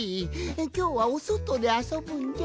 きょうはおそとであそぶんじゃ？